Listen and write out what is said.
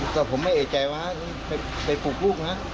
ก็ผมไม่เอกใจว่าไปปลูกลูกนะ